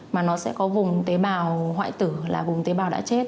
mà nó sẽ có vùng tế bào hoại tử là vùng tế bào đã chết